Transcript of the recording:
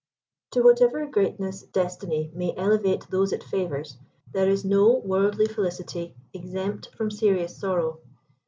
To whatever greatness Destiny may elevate those it favours, there is no worldly felicity exempt from serious sorrow.